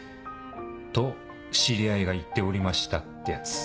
「と知り合いが言っておりました」ってやつ。